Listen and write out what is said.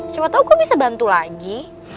coba tau gue bisa bantu lagi